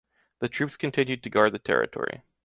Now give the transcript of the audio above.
The troops continued to guard the territory.